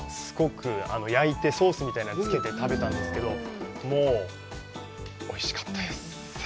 焼いて、ソースみたいなのをつけて食べたんですけど、もうおいしかったです。